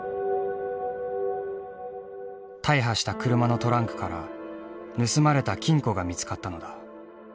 大破した車のトランクから盗まれた金庫が見つかったのだ。